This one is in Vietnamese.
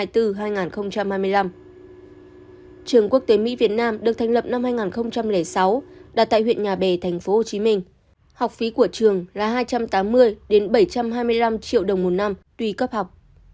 trường quốc tế mỹ việt nam được thành lập năm hai nghìn sáu đặt tại huyện nhà bè tp hcm học phí của trường là hai trăm tám mươi bảy trăm hai mươi năm triệu đồng một năm tùy cấp học